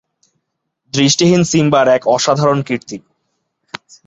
দৃষ্টিহীন সিম্বার এক অসাধারণ কীর্তি!